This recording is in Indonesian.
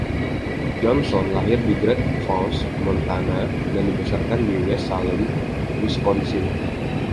Johnson lahir di Great Falls, Montana, dan dibesarkan di West Salem, Wisconsin.